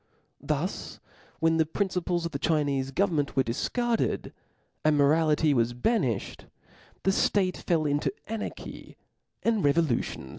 Thus when the principles of the Chinefc government were difcarded, and morality was banifbed, the ftate fell into anarchy, and revolutions fucceeded.